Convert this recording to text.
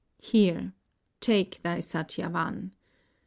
Here, take thy Satyavan.